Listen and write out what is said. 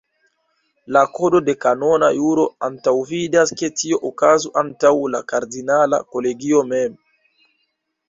La kodo de kanona juro antaŭvidas ke tio okazu antaŭ la kardinala kolegio mem.